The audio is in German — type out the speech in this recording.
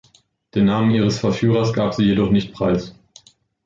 Den Namen ihres Verführers gab sie jedoch nicht Preis.